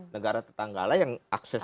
negara tetangga lah yang akses